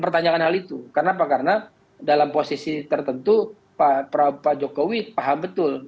pertanyakan hal itu kenapa karena dalam posisi tertentu pak jokowi paham betul